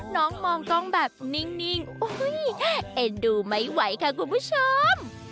น้องมองกล้องแบบนิ่งเอ็นดูไม่ไหวค่ะคุณผู้ชม